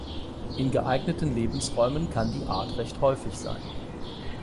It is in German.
In geeigneten Lebensräumen kann die Art recht häufig sein.